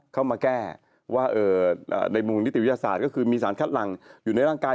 เข้ามาแก้ว่าในมุมนิติวิทยาศาสตร์ก็คือมีสารคัดหลังอยู่ในร่างกาย